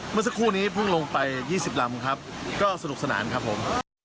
เมื่อสักครู่นี้เพิ่งลงไป๒๐ลำครับก็สนุกสนานครับผม